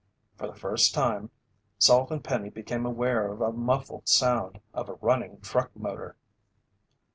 For the first time, Salt and Penny became aware of a muffled sound of a running truck motor.